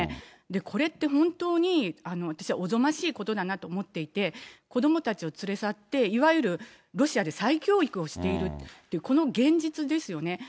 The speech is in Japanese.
これって本当に、私はおぞましいことだなと思っていて、子どもたちを連れ去って、いわゆるロシアで再教育をしているというこの現実ですよね。